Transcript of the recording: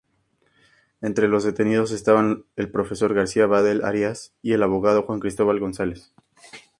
Entre los detenidos estaban el profesor García-Badell Arias y el abogado Juan Cristóbal González.